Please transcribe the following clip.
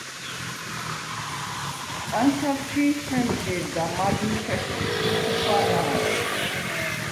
ყანსავ ჩი̄ს ხემწირდა, მაგ მიჩა შიჩუქვა̄ნ ა̄რდ.